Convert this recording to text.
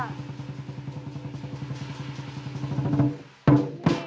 อ้องเตอร์เชิ้ร์